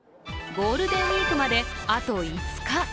ゴールデンウイークまであと５日。